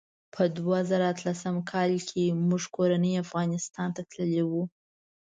په دوه زره اتلسم کال کې موږ کورنۍ افغانستان ته تللي وو.